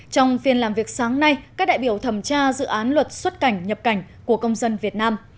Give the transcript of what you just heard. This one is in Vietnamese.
trong phiên làm việc sáng nay các đại biểu thẩm tra dự án luật xuất cảnh nhập cảnh của công dân việt nam